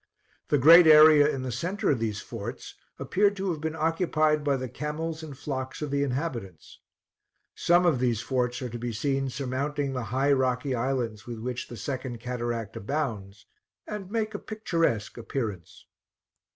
The great area in the centre of these forts appeared to have been occupied by the camels and flocks of the inhabitants; some of these forts are to be seen surmounting the high rocky islands with which the Second Cataract abounds, and make a picturesque appearance.